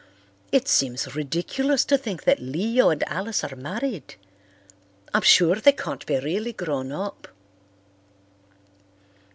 It seems ridiculous to think that Leo and Alice are married. I'm sure they can't be really grown up."